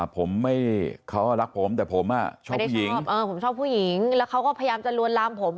ผมไม่เขารักผมแต่ผมชอบผู้หญิงผมชอบผู้หญิงแล้วเขาก็พยายามจะลวนลามผม